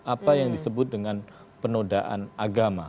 apa yang disebut dengan penodaan agama